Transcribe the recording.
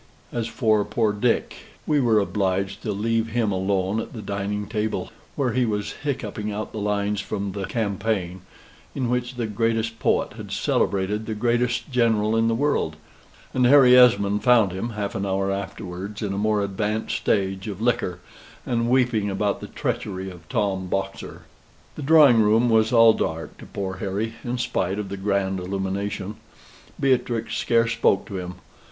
As for poor Dick, we were obliged to leave him alone at the dining table, where he was hiccupping out the lines from the "Campaign," in which the greatest poet had celebrated the greatest general in the world; and Harry Esmond found him, half an hour afterwards, in a more advanced stage of liquor, and weeping about the treachery of Tom Boxer. The drawing room was all dark to poor Harry, in spite of the grand illumination. Beatrix scarce spoke to him.